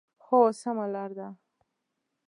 هو، سمه لار ده